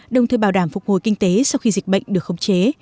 đồng thời bảo đảm phục hồi kinh tế sau khi dịch bệnh được khống chế